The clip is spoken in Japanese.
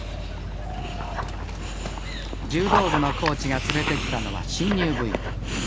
柔道部のコーチが連れてきたのは新入部員。